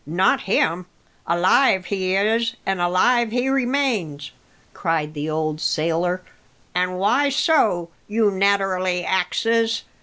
Not him! Alive he is, and alive he remains," cried the old sailor. "An' why so? you naterally axes.